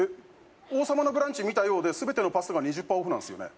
「王様のブランチ見たよ」で全てのパスタが２０％オフなんすよね？